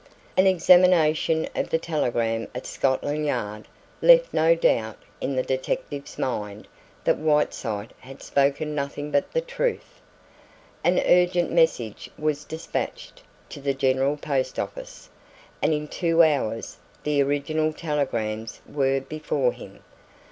An examination of the telegram at Scotland Yard left no doubt in the detective's mind that Whiteside had spoken nothing but the truth. An urgent message was despatched to the General Post Office, and in two hours the original telegrams were before him.